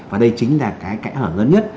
và đây chính là cái khai hỏa lớn nhất